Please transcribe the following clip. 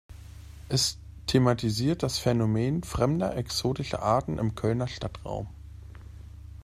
Es thematisiert das Phänomen fremder, exotischer Arten im Kölner Stadtraum.